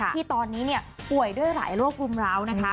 ที่ตอนนี้ป่วยด้วยหลายโรครุมร้าวนะคะ